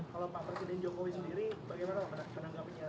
kalau pak presiden jokowi sendiri bagaimana menanggapinya